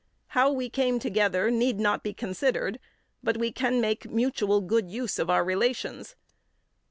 How we came together need not be considered, but we can make mutual good use of our relations.